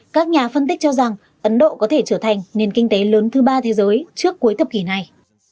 các nhà phân tích cho rằng ấn độ có thể trở thành nền kinh tế lớn thứ ba thế giới trước cuối thập kỷ này